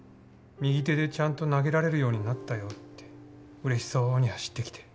右手でちゃんと投げられるようになったよってうれしそうに走ってきて。